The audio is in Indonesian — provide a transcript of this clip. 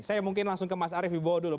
saya mungkin langsung ke mas arief wibowo dulu